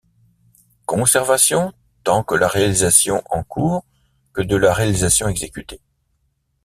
Conservation tant de la réalisation en cours que de la réalisation exécutée.